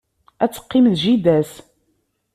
Ad teqqim d jida-s.